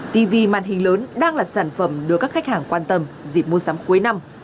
tv màn hình lớn đang là sản phẩm được các khách hàng quan tâm dịp mua sắm cuối năm